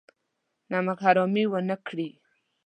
نمک حرامي ونه کړي.